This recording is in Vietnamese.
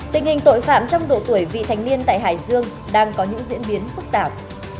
tình hình tội phạm trong độ tuổi vị thành niên tại hải dương đang có những diễn biến phức tạp